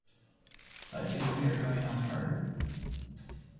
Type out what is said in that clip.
But if we are going on harder?